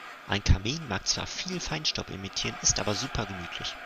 Ein Kamin mag zwar viel Feinstaub emittieren, ist aber super gemütlich.